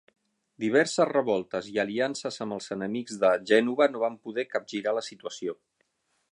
Diverses revoltes i aliances amb els enemics de Gènova no van poder capgirar la situació.